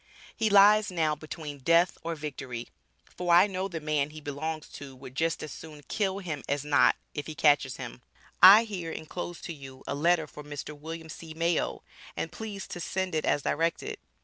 He lies now between death or victory, for I know the man he belongs to would just as soon kill him as not, if he catches him, I here enclose to you a letter for Mr. Wm. C. Mayo, and please to send it as directed.